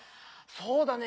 そうだね。